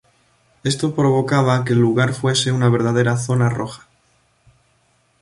Esto provocaba que el lugar fuese una verdadera Zona roja.